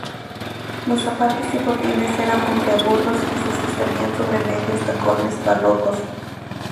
Los zapatos y botines eran puntiagudos y se sostenían sobre medios tacones barrocos.